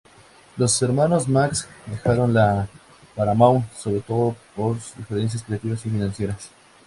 Los Hermanos Marx dejaron la Paramount sobre todo por diferencias creativas y financieras.